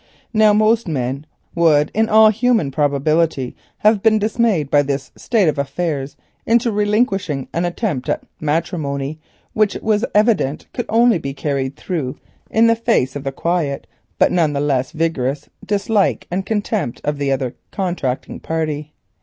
Now most men would in all human probability have been dismayed by this state of affairs into relinquishing an attempt at matrimony which it was evident could only be carried through in the face of the quiet but none the less vigorous dislike and contempt of the other contracting party.